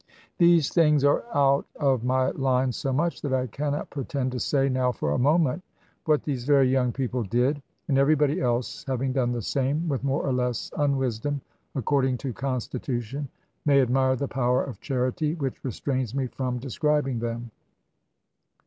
These things are out of my line so much, that I cannot pretend to say now for a moment what these very young people did; and everybody else having done the same, with more or less unwisdom, according to constitution, may admire the power of charity which restrains me from describing them.